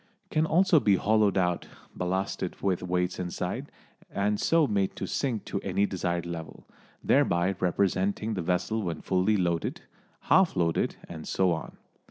It can also be hollowed out, ballasted with weights inside, and so made to sink to any desired level, thereby representing the vessel when fully loaded, half loaded and so on.